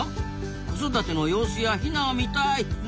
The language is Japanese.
「子育ての様子やヒナを見たい」などなど。